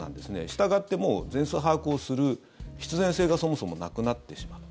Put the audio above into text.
したがってもう全数把握をする必然性がそもそもなくなってしまう。